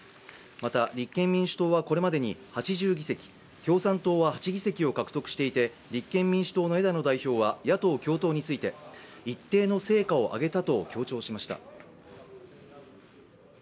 また立憲民主党はこれまでに８０議席共産党は８議席を獲得していて、立憲民主党の枝野代表は野党共闘について一定の成果を挙げたと強調しました。